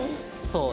そう。